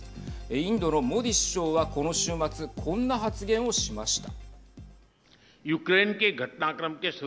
インドのモディ首相はこの週末こんな発言をしました。